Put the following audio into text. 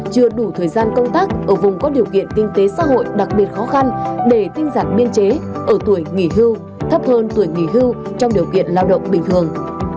chưa đủ thời gian công tác ở vùng có điều kiện kinh tế xã hội đặc biệt khó khăn để tinh giản biên chế ở tuổi nghỉ hưu thấp hơn tuổi nghỉ hưu trong điều kiện lao động bình thường